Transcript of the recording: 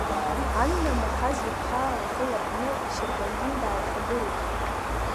Анна Махаз-иԥҳа лхы ларҟәны Серпантин дааихагылеит.